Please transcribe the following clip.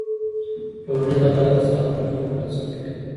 ټولنیز عدالت د سالمې ټولني بنسټ دی.